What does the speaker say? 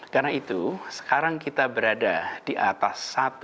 karena itu sekarang kita berada di atas satu